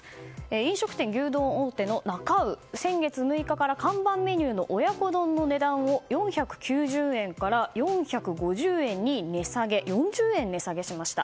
飲食店牛丼大手のなか卯先月６日から看板メニューの親子丼の値段を４９０円から４５０円に４０円値下げしました。